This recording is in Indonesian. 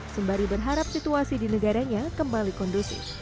sembari berharap situasi di negaranya kembali kondusif